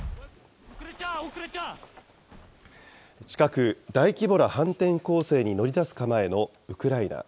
近く大規模な反転攻勢に乗り出す構えのウクライナ。